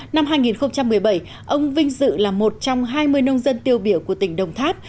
năm hai nghìn một mươi bảy ông vinh dự là một trong hai mươi nông dân tiêu biểu của tỉnh đồng tháp